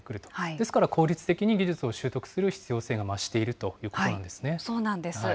ですから効率的に技術を習得する必要性が増しているということなそうなんです。